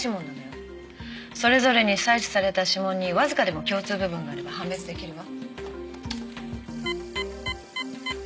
それぞれに採取された指紋にわずかでも共通部分があれば判別出来るわ。